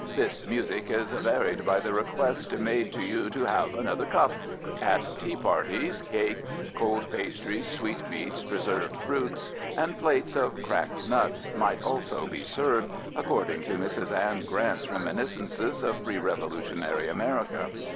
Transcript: This music is varied by the request made to you to have another cup." At tea parties, cakes, cold pastries, sweetmeats, preserved fruits, and plates of cracked nuts might also be served, according to Mrs. Anne Grant's reminiscences of pre Revolutionary America.